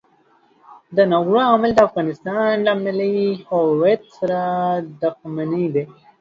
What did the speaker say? دا ناوړه عمل د افغانستان له ملي هویت سره دښمني ده.